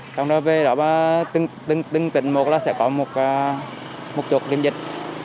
xong rồi về đó từng tỉnh một là sẽ có một chuột kiểm dịch